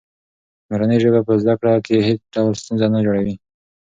مورنۍ ژبه په زده کړه کې هېڅ ډول ستونزه نه جوړوي.